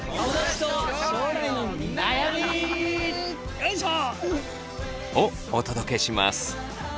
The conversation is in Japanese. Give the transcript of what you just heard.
よいしょ！をお届けします。